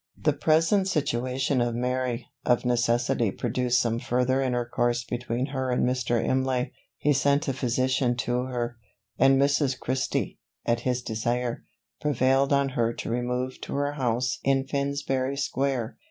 The present situation of Mary, of necessity produced some further intercourse between her and Mr. Imlay. He sent a physician to her; and Mrs. Christie, at his desire, prevailed on her to remove to her house in Finsbury square.